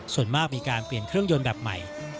ส่วนมากมีการเปลี่ยนเครื่องยนต์แบบใหม่